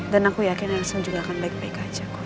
dan aku yakin elsa juga akan baik baik aja